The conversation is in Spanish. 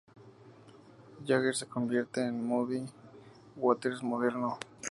Jagger se convierte en un Muddy Waters moderno.